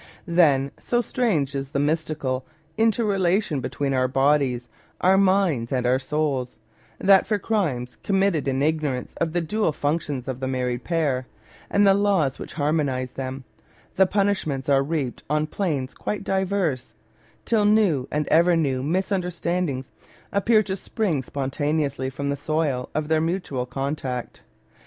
Then, so strange is the mystical inter relation be tween our bodies, our minds, and our souls, that for crimes committed in ignorance of the dual functions of the married pair, and the laws which harmonise them, the punishments are reaped on planes quite diverse, till new and ever new misunderstandings appear to spring spontaneously from the soil of their mutual contact.